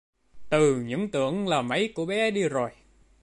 Từ những tưởng là mấy của bé đi rồi